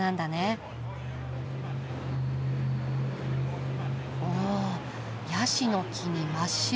おっヤシの木に真っ白な建物。